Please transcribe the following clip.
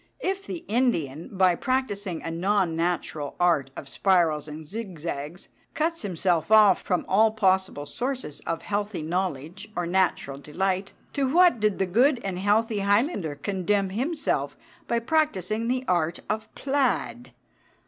If the Indian, by practising a non natural art of spirals and zig zags, cuts himself off "from all possible sources of healthy knowledge or natural delight," to what did the good and healthy Highlander condemn himself by practising the art of the plaid?